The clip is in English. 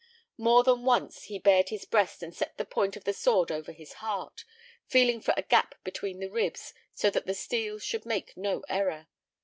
More than once he bared his breast and set the point of the sword over his heart, feeling for a gap between the ribs so that the steel should make no error.